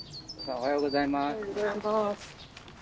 おはようございます。